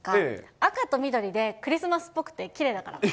赤と緑でクリスマスっぽくてきれいだから。